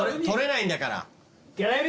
採れないんだから。